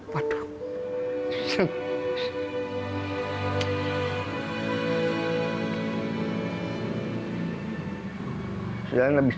sejauh ini saya tidak bisa